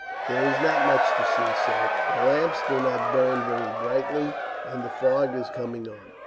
"There is not much to see, sir. The lamps do not burn very brightly, and the fog is coming on.